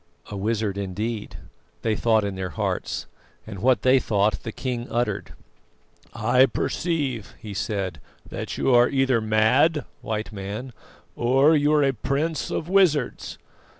"A wizard indeed," they thought in their hearts, and what they thought the king uttered. "I perceive," he said, "that you are either mad, White Man, or you are a prince of wizards.